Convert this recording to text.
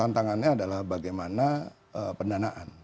dan kemudian juga pendanaan